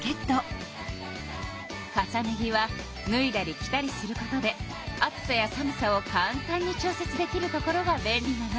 重ね着はぬいだり着たりすることで暑さや寒さをかん単に調節できるところが便利なの。